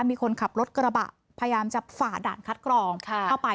มีคนขับรถกระบะพยายามจะฝ่าด่านคัดกรองเข้าไป